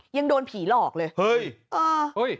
ยังโดนผีหลอกเลย